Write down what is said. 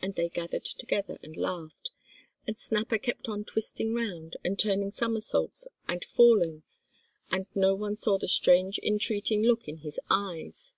And they gathered together and laughed, and Snapper kept on twisting round, and turning somersaults and falling, and no one saw the strange entreating look in his eyes.